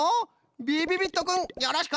びびびっとくんよろしく。